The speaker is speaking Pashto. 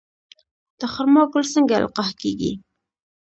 د خرما ګل څنګه القاح کیږي؟